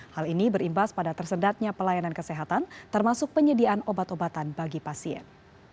hal ini berimbas pada tersedatnya pelayanan kesehatan termasuk penyediaan obat obatan bagi pasien